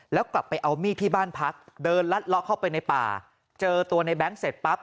แล้วกลับไปเอามีดที่บ้านพักเดินลัดเลาะเข้าไปในป่าเจอตัวในแง๊งเสร็จปั๊บ